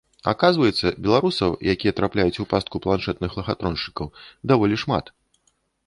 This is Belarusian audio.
Аказваецца, беларусаў, якія трапляюць у пастку планшэтных лахатроншчыкаў, даволі шмат.